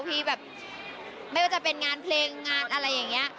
พี่แบบไม่ว่าจะเป็นงานเพลงงานอะไรอย่างนี้